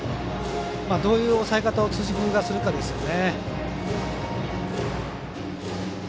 どういう抑え方を辻君がするかですよね。